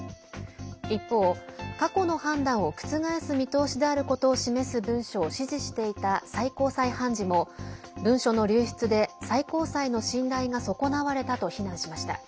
一方、過去の判断を覆す見通しであることを示す文書を支持していた最高裁判事も文書の流出で最高裁の信頼が損なわれたと非難しました。